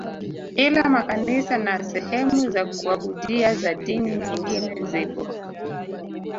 Ila makanisa na sehemu za kuabudia za dini nyingine zipo